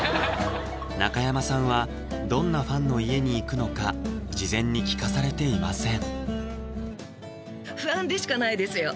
中山さんはどんなファンの家に行くのか事前に聞かされていません